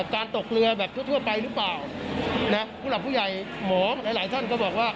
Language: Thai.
การตกเรือแบบทั่วไปหรือเปล่านะผู้หลักผู้ใหญ่หมอหลายหลายท่านก็บอกว่า